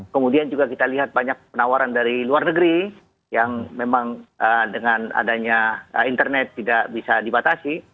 kemudian juga kita lihat banyak penawaran dari luar negeri yang memang dengan adanya internet tidak bisa dibatasi